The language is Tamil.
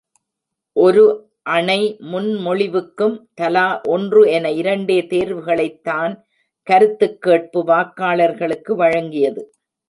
ஒரு அணை முன்மொழிவுக்கும் தலா ஒன்று என இரண்டே தேர்வுகளைத் தான் கருத்துக்கேட்பு வாக்காளர்களுக்கு வழங்கியது,